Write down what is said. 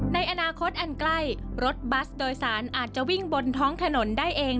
ในอนาคตอันใกล้รถบัสโดยสารอาจจะวิ่งบนท้องถนนได้เอง